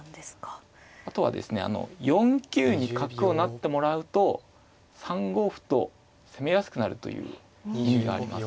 あとはですね４九に角を成ってもらうと３五歩と攻めやすくなるという意味があります。